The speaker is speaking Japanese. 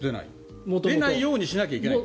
出ないようにしなきゃいけない。